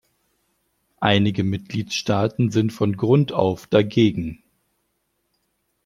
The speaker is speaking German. Einige Mitgliedstaaten sind von Grund auf dagegen.